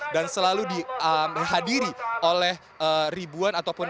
dan selalu dihadiri oleh ribuan ataupun